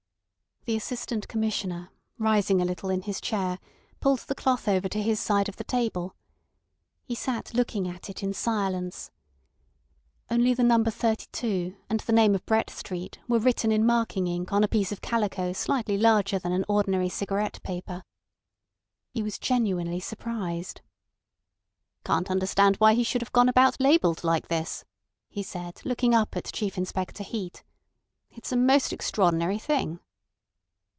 The Assistant Commissioner, rising a little in his chair, pulled the cloth over to his side of the table. He sat looking at it in silence. Only the number 32 and the name of Brett Street were written in marking ink on a piece of calico slightly larger than an ordinary cigarette paper. He was genuinely surprised. "Can't understand why he should have gone about labelled like this," he said, looking up at Chief Inspector Heat. "It's a most extraordinary thing."